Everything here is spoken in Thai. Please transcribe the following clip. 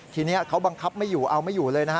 ทีนี้เขาบังคับไม่อยู่เอาไม่อยู่เลยนะฮะ